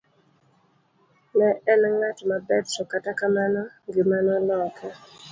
Ne en ng'at maber to kata kamano ngima noloke.